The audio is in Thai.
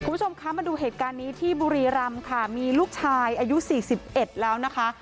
คุณผู้ชมคะมาดูเหตุการณ์นี้ที่บุรีรำค่ะมีลูกชายอายุสี่สิบเอ็ดแล้วนะคะ